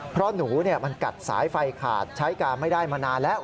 เพราะหนูมันกัดสายไฟขาดใช้การไม่ได้มานานแล้ว